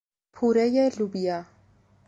پورهی لوبیا